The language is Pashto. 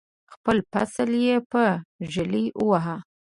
خپل فصل یې په ږلۍ وواهه.